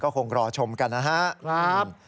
คงรอชมกันนะครับ